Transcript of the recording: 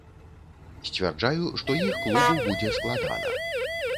Сцвярджаю, што іх клубу будзе складана.